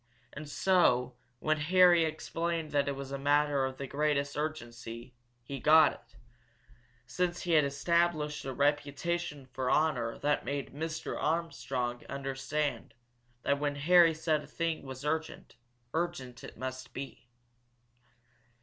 And so, when Harry explained that it was a matter of the greatest urgency, he got it since he had established a reputation for honor that made Mr. Armstrong understand that when Harry said a thing was urgent, urgent it must be.